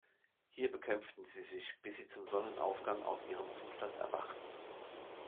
Hier bekämpften sie sich, bis sie zum Sonnenaufgang aus ihrem Zustand „erwachten“.